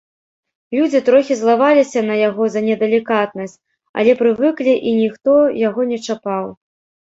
Людзі трохі злаваліся на яго за недалікатнасць, але прывыклі, і ніхто яго не чапаў.